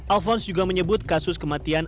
alfons juga menyebut kasus kematian